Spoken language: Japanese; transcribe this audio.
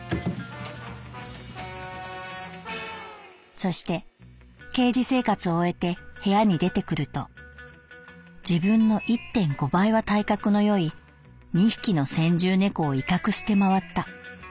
「そしてケージ生活を終えて部屋に出てくると自分の１．５倍は体格の良い２匹の先住猫を威嚇して回った」。